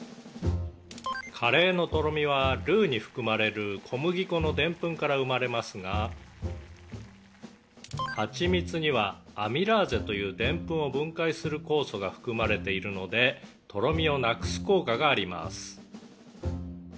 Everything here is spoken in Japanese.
「カレーのとろみはルウに含まれる小麦粉のデンプンから生まれますがはちみつにはアミラーゼというデンプンを分解する酵素が含まれているのでとろみをなくす効果があります」